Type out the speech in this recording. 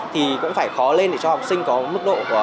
thì cũng phải khó lên để cho học sinh có mức độ